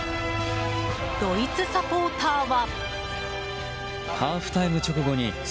ドイツサポーターは。